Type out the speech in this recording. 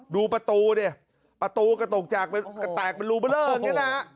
ดูประตูเนี่ยประตูกระตุกจากแตกเป็นรูเบอร์เริ่มอย่างนี้นะ